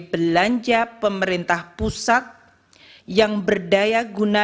belanja pemerintah pusat yang berdaya guna